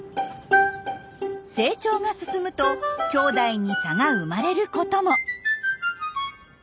成長が進むときょうだいに差が生まれることも。